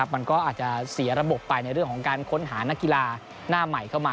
มันก็อาจจะเสียระบบไปในเรื่องของการค้นหานักกีฬาหน้าใหม่เข้ามา